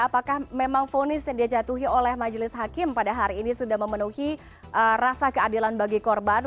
apakah memang fonis yang dia jatuhi oleh majelis hakim pada hari ini sudah memenuhi rasa keadilan bagi korban